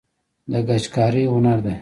د ګچ کاري هنر دی